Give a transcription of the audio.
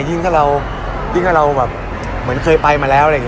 ยิ่งเก่าเราเหมือนเคยไปมาแล้วอะไรแบบนี้